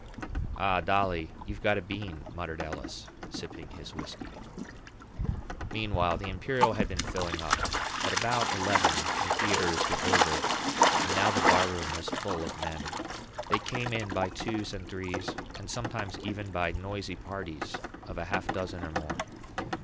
"Ah, Dolly, you've got a bean," muttered Ellis, sipping his whisky. Meanwhile, the Imperial had been filling up; at about eleven the theatres were over, and now the barroom was full of men. They came in by twos and threes and sometimes even by noisy parties of a half dozen or more.